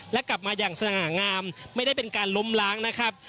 และกลับมาอย่างสง่างามไม่ได้เป็นการล้มล้างนะครับ